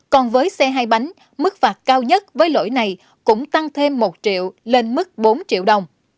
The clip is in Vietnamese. còn với xe hai bánh mức phạt cao nhất với lỗi này cũng tăng thêm một triệu lên mức bốn triệu đồng